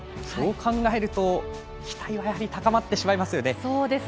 そう考えると期待は高まってしまいますよね。